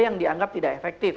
yang dianggap tidak efektif